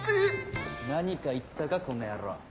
何か言ったかこの野郎。